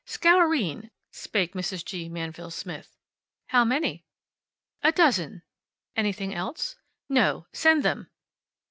"Scourine," spake Mrs. G. Manville Smith. "How many?" "A dozen." "Anything else?" "No. Send them."